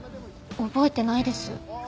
覚えてないです。